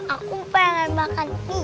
aku pengen makan mie